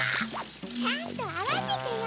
・ちゃんとあわせてよ！